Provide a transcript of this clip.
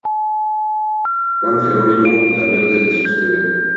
Juan Gerónimo y La Verde le suceden.